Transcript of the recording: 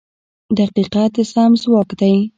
• دقیقه د زغم ځواک دی.